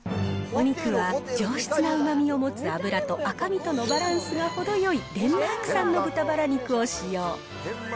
お肉は、上質なうまみを持つ脂と赤身とのバランスが程よいデンマーク産の豚バラ肉を使用。